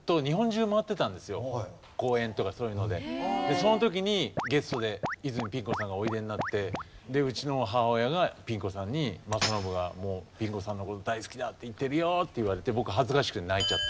その時にゲストで泉ピン子さんがおいでになってでうちの母親がピン子さんに政伸がピン子さんの事大好きだって言ってるよって言われて僕恥ずかしくて泣いちゃった。